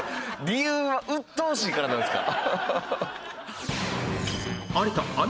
理由はうっとうしいからなんですか？